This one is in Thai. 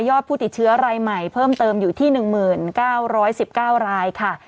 ผู้ติดเชื้อรายใหม่เพิ่มเติมอยู่ที่๑๙๑๙รายค่ะ